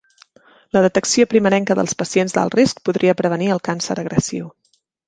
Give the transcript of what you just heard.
La detecció primerenca dels pacients d'alt risc podria prevenir el càncer agressiu.